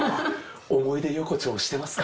思い出横丁してますか？